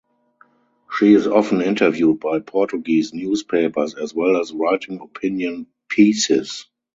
She is often interviewed by Portuguese newspapers as well as writing opinion pieces.